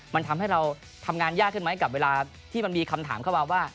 มันทำให้เราทำงานยากขึ้นไหมกับเวลาที่มันมีคำถามเข้ามาว่า